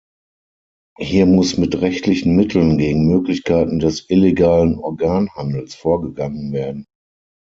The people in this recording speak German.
Hier muss mit rechtlichen Mitteln gegen Möglichkeiten des illegalen Organhandels vorgegangen werden.